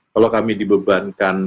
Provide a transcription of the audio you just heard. kalau kami dibebankan